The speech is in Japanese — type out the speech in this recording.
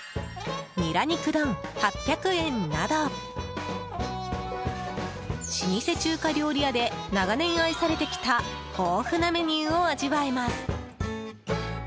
ニラ肉丼、８００円など老舗中華料理屋で長年愛されてきた豊富なメニューを味わえます。